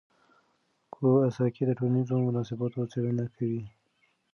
کواساکي د ټولنیزو مناسباتو څېړنه کوي.